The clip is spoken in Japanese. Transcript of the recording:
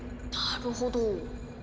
なるほど。